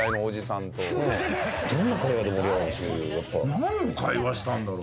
何の会話したんだろう。